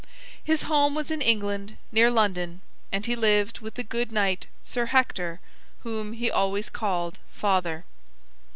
His home was in England, near London; and he lived with the good knight Sir Hector, whom he always called father.